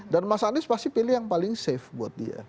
dan mas anies pasti pilih yang paling safe buat dia